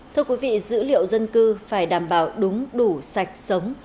thưa quý vị dữ liệu dân cư phải đảm bảo đúng đủ sạch sống